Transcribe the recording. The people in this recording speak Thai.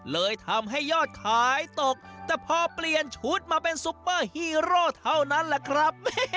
เลยทำให้ยอดขายตกแต่พอเปลี่ยนชุดมาเป็นซุปเปอร์ฮีโร่เท่านั้นแหละครับ